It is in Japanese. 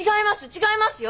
違いますよ。